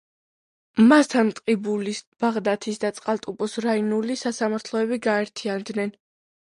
მასთან ტყიბულის, ბაღდათის და წყალტუბოს რაიონული სასამართლოები გაერთიანდნენ.